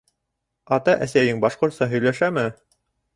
Ата-әсәйең башҡортса һөйләшәме?